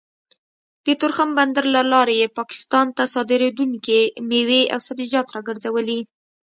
د تورخم بندر له لارې يې پاکستان ته صادرېدونکې مېوې او سبزيجات راګرځولي